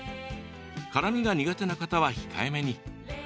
辛みが苦手な方は控えめに。